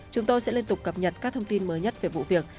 chúng tôi sẽ liên tục cập nhật các thông tin mới nhất về vụ việc